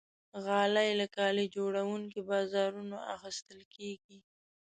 غالۍ له کالي جوړونکي بازارونو اخیستل کېږي.